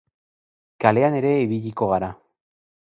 Kalean ere ibiliko gara.